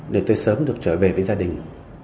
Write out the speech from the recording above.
để tôi sớm được trở về với gia đình